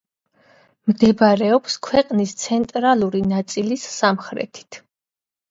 მდებარეობს ქვეყნის ცენტრალური ნაწილის სამხრეთით.